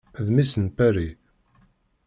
D mmi-s n Paris.